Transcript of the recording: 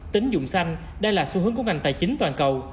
tính dụng xanh đây là xu hướng của ngành tài chính toàn cầu